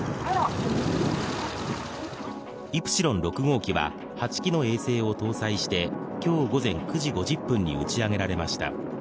イプシロン６号機は、８機の衛星を搭載して今日午前９時５０分に打ち上げられました。